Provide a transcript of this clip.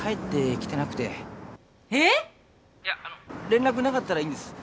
連絡なかったらいいんです。